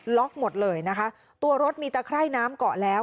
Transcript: หมดเลยนะคะตัวรถมีตะไคร่น้ำเกาะแล้ว